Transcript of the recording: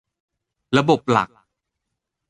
ระบบหลัก